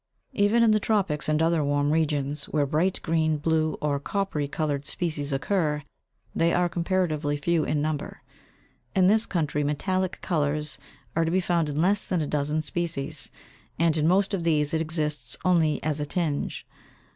Even in the tropics and other warm regions, where bright green, blue or coppery coloured species occur, they are comparatively few in number. In this country metallic colours are to be found in less than a dozen species, and in most of these it exists only as a tinge.